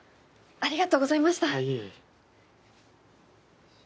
ありがとうございます。